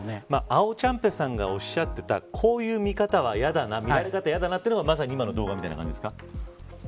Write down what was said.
あおちゃんぺさんがおっしゃってたこういう見方は嫌だなというのがまさに今の動画みたいな感じですか。